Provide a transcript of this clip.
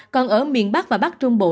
còn ở miền bắc và bắc trung bộ